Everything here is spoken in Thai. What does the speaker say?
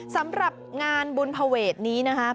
สำหรับงานบุญภเวทนี้นะครับ